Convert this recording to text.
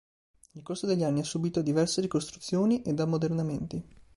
Nel corso degli anni ha subito diverse ricostruzioni ed ammodernamenti.